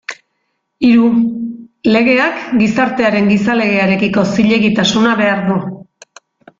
Hiru, legeak gizartearen gizalegearekiko zilegitasuna behar du.